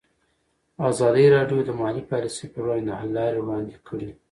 ازادي راډیو د مالي پالیسي پر وړاندې د حل لارې وړاندې کړي.